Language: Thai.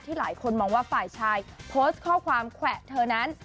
หลายคนมองว่าฝ่ายชายโพสต์ข้อความแขวะเธอนั้น